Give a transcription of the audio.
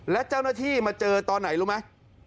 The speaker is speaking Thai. และเจ้าหน้าที่มาเจอตอนไหนรู้ไหม